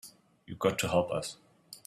You got to help us.